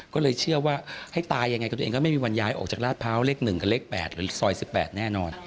ก็เลยเชื่อว่าให้ตายยังไงตัวเองก็ไม่มีวันย้ายออกจากราชพร้าวเลข๑กับเลข๘หรือซอย๑๘แน่นอน